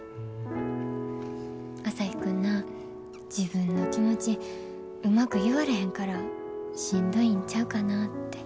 朝陽君な自分の気持ちうまく言われへんからしんどいんちゃうかなって。